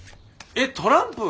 えっトランプ？